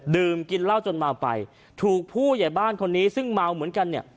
ดื่มกินเหล้าจนเมาไปถูกผู้ใหญ่บ้านคนนี้ซึ่งเมาเหมือนกันเนี่ย